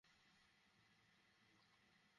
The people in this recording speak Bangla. আমিও একটা হলোগ্রাম।